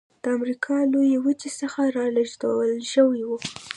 د امریکا لویې وچې څخه رالېږدول شوي وو.